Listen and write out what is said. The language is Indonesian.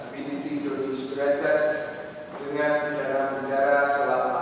binti jodhis gereja dengan pidana penjara selama tiga bulan